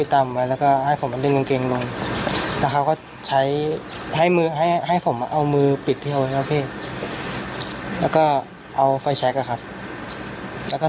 แต่ในห้องนั้นมีเพื่อนทั้งหมดทิศรวมผมนี้นะครับ๔คน